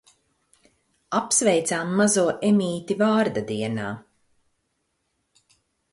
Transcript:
Apsveicām mazo Emīti vārda dienā.